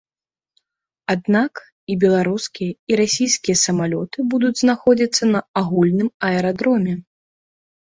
Аднак, і беларускія, і расійскія самалёты будуць знаходзіцца на агульным аэрадроме.